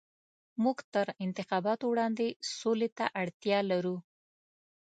موږ تر انتخاباتو وړاندې سولې ته اړتيا لرو.